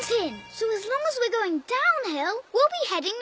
そうだね！